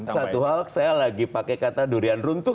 satu hal saya lagi pakai kata durian runtuh